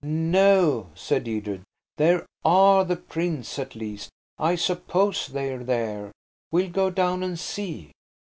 "No," said Edred, "there are the prints–at least, I suppose they're there. We'll go down and see."